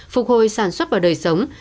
phục hồi sản xuất và đời sống